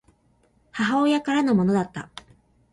母親からのものだった